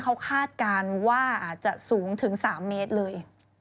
เขาคาดการณ์ว่าอาจจะสูงถึง๓เมตรเลย